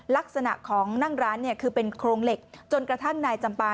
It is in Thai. ลักษณะของนั่งร้านเนี่ยคือเป็นโครงเหล็กจนกระทั่งนายจำปา